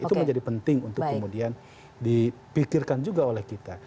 itu menjadi penting untuk kemudian dipikirkan juga oleh kita